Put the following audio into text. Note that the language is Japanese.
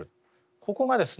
ここがですね